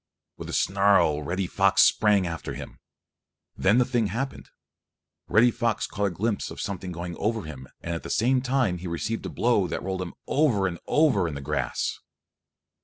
With a snarl Reddy Fox sprang after him. Then the thing happened. Reddy Fox caught a glimpse of something going over him and at the same time he received a blow that rolled him over and over in the grass.